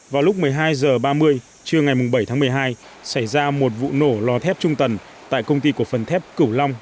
vào lúc một mươi hai h ba mươi trưa ngày bảy tháng một mươi hai xảy ra một vụ nổ lò thép trung tần tại công ty cổ phần thép cửu long